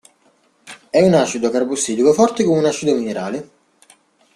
È un acido carbossilico forte come un acido minerale.